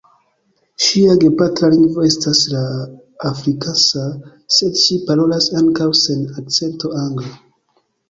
Ŝia gepatra lingvo estas la afrikansa, sed ŝi parolas ankaŭ sen akcento angle.